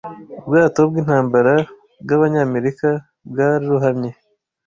ubwato bwintambara bwabanyamerika bwarohamye